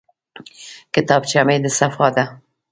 کتابچه مې صفا ده.